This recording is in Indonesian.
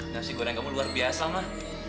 nasi goreng kamu luar biasa mah